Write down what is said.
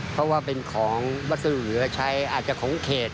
เพราะว่าเป็นของวัสดุเหลือใช้อาจจะของเขต